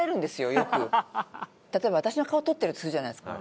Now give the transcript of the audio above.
例えば私の顔撮ってるとするじゃないですか。